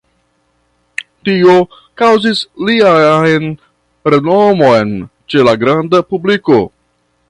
Tio kaŭzis lian renomon ĉe la granda publiko.